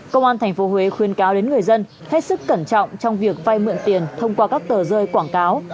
công an tp huế khuyên cáo đến người dân hết sức cẩn trọng trong việc vay mượn tiền thông qua các tờ rơi quảng cáo